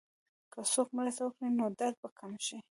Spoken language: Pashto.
که څوک مرسته وکړي، نو درد به کم شي.